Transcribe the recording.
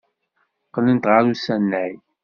Qqlent ɣer usanay.